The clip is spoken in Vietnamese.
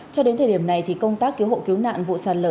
cho đến thời điểm này thì công tác cứu hộ cứu nạn vụ sàn lờ